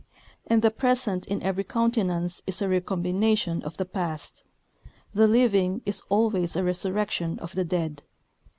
And the present in every countenance is a recombination of the past; the living is always a resurrection of the dead.